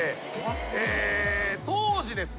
当時ですね